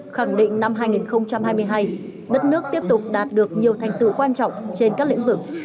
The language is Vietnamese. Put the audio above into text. khẳng định năm hai nghìn hai mươi hai đất nước tiếp tục đạt được nhiều thành tựu quan trọng trên các lĩnh vực